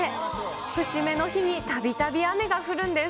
節目の日にたびたび雨が降るんです。